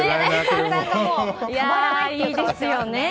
いいですよね。